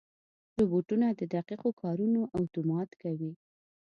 روبوټونه د دقیقو کارونو اتومات کوي.